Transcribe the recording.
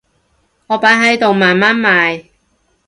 我擺喺度慢慢賣